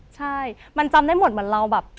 ใช่มันจำได้หมดเหมือนเราแบบ